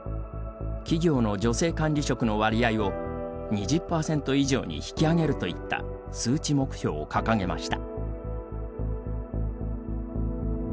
企業の女性管理職の割合を２０％以上に引き上げるといった数値目標を掲げました。